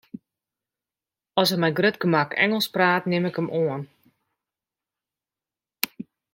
As er mei grut gemak Ingelsk praat, nim ik him oan.